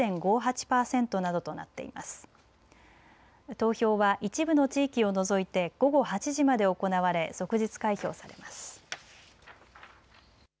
投票は一部の地域を除いて午後８時まで行われ即日開票されます。